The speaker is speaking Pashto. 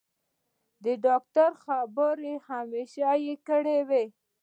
د ډاکتر خبرو هېښ کړى وم.